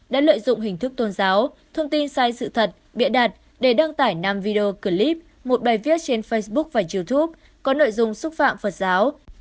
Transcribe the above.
đã lợi dụng hình thức tôn giáo thông tin sai sự thật bịa đặt để đăng tải năm video clip một bài viết trên facebook và youtube có nội dung xúc phạm phật giáo